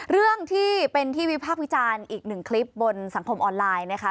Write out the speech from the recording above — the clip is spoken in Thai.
เรื่องที่เป็นที่วิพากษ์วิจารณ์อีกหนึ่งคลิปบนสังคมออนไลน์นะคะ